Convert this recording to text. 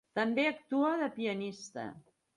També actuà de pianista.